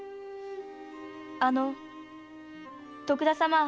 あの徳田様。